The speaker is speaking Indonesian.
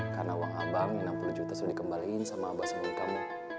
karena uang abang enam puluh juta sudah dikembalikan sama abah sama umi kamu